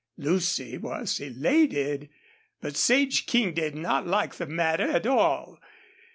Lucy was elated. But Sage King did not like the matter at all.